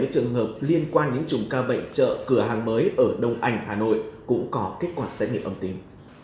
sáu trăm bảy mươi trường hợp liên quan những trùng ca bệnh trợ cửa hàng mới ở đông anh hà nội cũng có kết quả xét nghiệm ấm tím